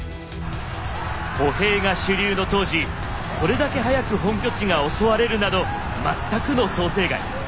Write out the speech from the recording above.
歩兵が主流の当時これだけはやく本拠地が襲われるなど全くの想定外。